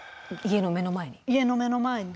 家の目の前に？